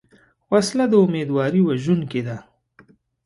وسله د امیدواري وژونکې ده